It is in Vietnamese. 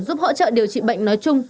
giúp hỗ trợ điều trị bệnh nói chung